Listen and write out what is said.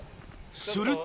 すると。